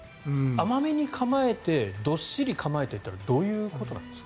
甘めに構えてどっしり構えてってどういうことなんですか？